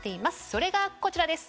それがこちらです。